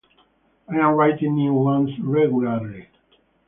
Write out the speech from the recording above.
I am writing new ones regularly.